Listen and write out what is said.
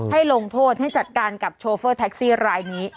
ให้ลงโทษให้จัดการกับโชเฟอร์แท็กซี่รายนี้